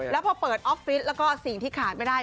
แล้วพอเปิดออฟฟิศแล้วก็สิ่งที่ขาดไม่ได้